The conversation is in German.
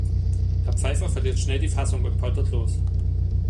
Herr Pfeiffer verliert schnell die Fassung und poltert los.